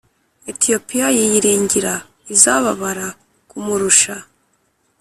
Etiyopiya yiyiringira izababara kumurusha